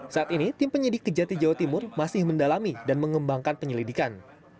saat ini tim penyidik kejati jawa timur masih mendalami dan mengembangkan penyelidikan